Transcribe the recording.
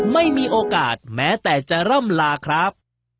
ไม่มีโอกาสแม้แต่จะร่ำลาครับ